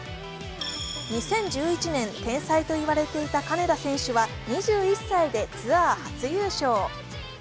２０１１年、天才と言われていた金田選手は２１歳でツアー初優勝。